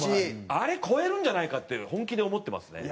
あれ超えるんじゃないかって本気で思ってますね。